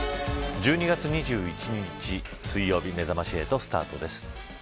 １２月２１日水曜日めざまし８スタートです。